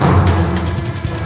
ya allah ya allah